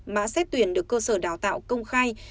mã xét tuyển được cơ sở đào tạo công khai